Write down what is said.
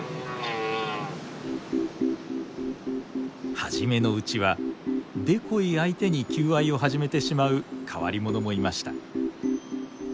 はじめのうちはデコイ相手に求愛を始めてしまう変わりものもいました。